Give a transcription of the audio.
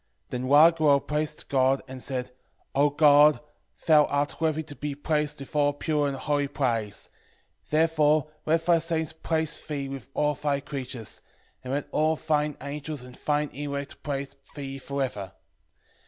8:15 Then Raguel praised God, and said, O God, thou art worthy to be praised with all pure and holy praise; therefore let thy saints praise thee with all thy creatures; and let all thine angels and thine elect praise thee for ever.